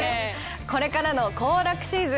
これからの行楽シーズン